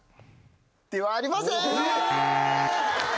ではありません。